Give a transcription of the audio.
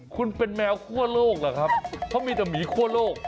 คุณเป็นแมวคั่วโลกเหรอครับเขามีแต่หมีคั่วโลก